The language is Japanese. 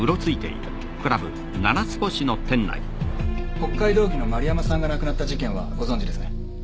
北海道議の丸山さんが亡くなった事件はご存じですね？